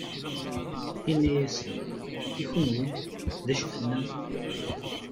Inna-asen: I kenwi, d acu i tennam?